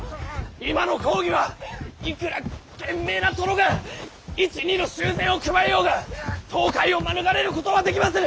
今の公儀はいくら賢明な殿が一二の修繕を加えようが倒壊を免れることはできませぬ！